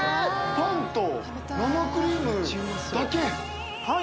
パンと生クリームだけ。